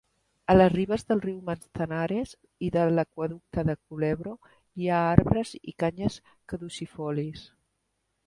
A les ribes del riu Manzanares i de l'aqüeducte de Culebro hi ha arbres i canyes caducifolis.